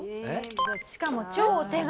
しかも超お手軽。